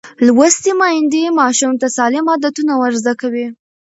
لوستې میندې ماشوم ته سالم عادتونه ورزده کوي.